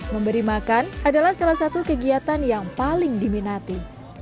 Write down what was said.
memberi makan adalah salah satu kegiatan yang paling diminati